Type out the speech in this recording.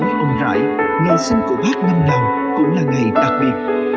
với ông rải ngày sinh của bác năm nào cũng là ngày đặc biệt